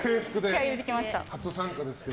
気合を入れてきました。